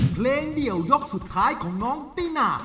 เพลงเดี่ยวยกสุดท้ายของน้องตินา